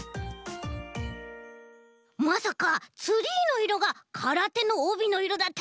まさかツリーのいろがからてのおびのいろだったなんて